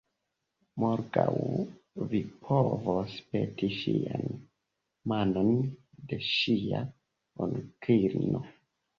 Morgaŭ vi povos peti ŝian manon de ŝia onklino.